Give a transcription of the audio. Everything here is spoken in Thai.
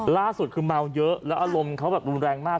ล่าสุดคือเมาเยอะแล้วอารมณ์เขาแบบรุนแรงมาก